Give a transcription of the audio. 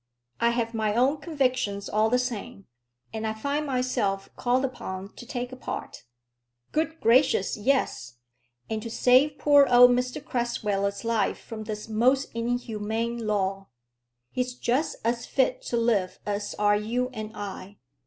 "I have my own convictions all the same, and I find myself called upon to take a part." "Good gracious yes! and to save poor old Mr Crasweller's life from this most inhuman law. He's just as fit to live as are you and I."